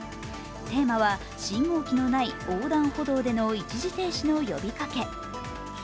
テーマは信号機のない横断歩道での一時停止の呼びかけ。